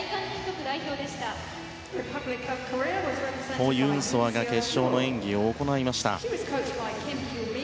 ホ・ユンソアが決勝の演技を行いました。